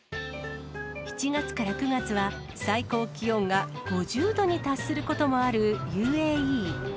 ７月から９月は最高気温が５０度に達することもあるＵＡＥ。